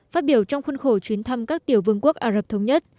phát biểu trong khuôn khổ chuyến thăm các tiểu vương quốc ả rập thống nhất